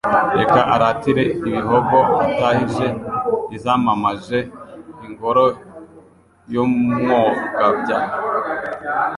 Reka aratire Ibihogo, Atahije Izamamaje, Ingoro y' Umwogabyano !